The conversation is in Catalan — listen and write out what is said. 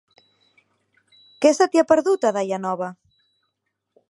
Què se t'hi ha perdut, a Daia Nova?